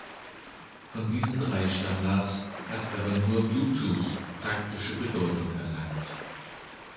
Von diesen drei Standards hat aber nur Bluetooth praktische Bedeutung erlangt.